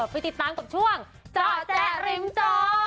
ไปติดตามกับช่วงเจาะแจ๊ริมจอ